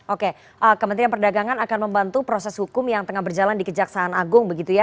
oke kementerian perdagangan akan membantu proses hukum yang tengah berjalan di kejaksaan agung begitu ya